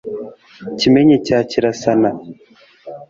kimenyi cya kirasana,